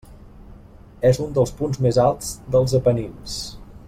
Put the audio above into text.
És un dels punts més alts dels Apenins.